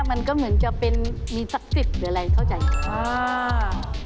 มันก็เหมือนจะเป็นมีศักดิ์สิทธิ์หรืออะไรเข้าใจค่ะ